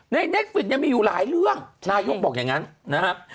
เนคฟินยังมีอยู่หลายเรื่องนายกบอกอย่างนั้นนะครับ